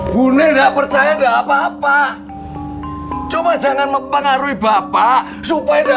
bunyai gak percaya dapat apa coba jangan mempengaruhi bapak supaya